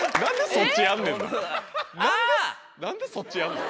何でそっちやんの？